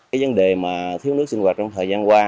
cái vấn đề mà thiếu nước sinh hoạt trong thời gian qua